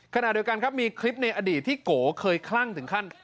ขณะเดียวกันครับมีคลิปในอดีตที่โกเคยคลั่งถึงขั้น